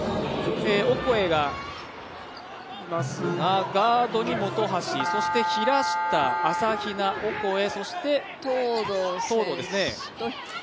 オコエがいますがガードに本橋、そして平下、朝比奈、オコエ。